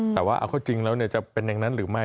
แต่ว่าเอาเข้าจริงแล้วจะเป็นอย่างนั้นหรือไม่